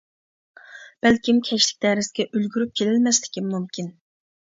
بەلكىم كەچلىك دەرسكە ئۈلگۈرۈپ كېلەلمەسلىكىم مۇمكىن.